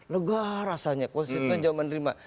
lega rasanya konstituen jawaban terima